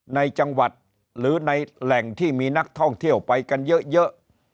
ในจังหวัดหรือในแหล่งที่มีนักท่องเที่ยวไปกันเยอะ